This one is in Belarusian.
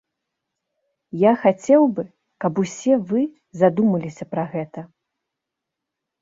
Я хацеў бы, каб усе вы задумаліся пра гэта.